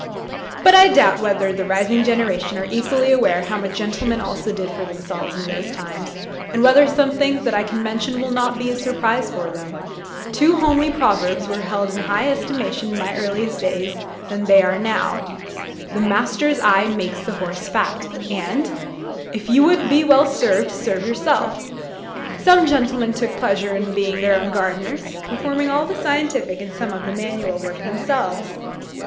But I doubt whether the rising generation are equally aware how much gentlemen also did for themselves in those times, and whether some things that I can mention will not be a surprise to them. Two homely proverbs were held in higher estimation in my early days than they are now 'The master's eye makes the horse fat;' and, 'If you would be well served, serve yourself.' Some gentlemen took pleasure in being their own gardeners, performing all the scientific, and some of the manual, work themselves.